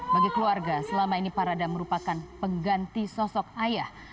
bagi keluarga selama ini parada merupakan pengganti sosok ayah